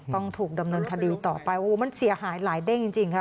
ต้องถูกดำเนินคดีต่อไปโอ้โหมันเสียหายหลายเด้งจริงค่ะ